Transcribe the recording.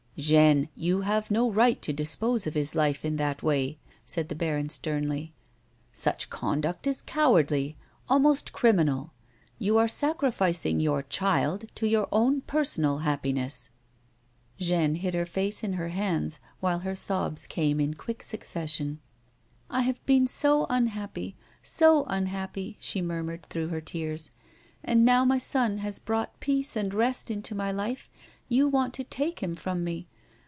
" Jeanne, you have no right to dispose of his life in that way," said the baron, sternly. " Such conduct is cowardly — almost criminal. You are sacrificing your child to your own personal happiness." Jeanne hid her face in her hands, while her sobs came in quick succession. 19S A WOMAN'S LIFE. •' I have been so unhappy — so unhappj'," she murmured, through lier tears. " And now my son Las brought peace and rest into my life, you want to take him from me.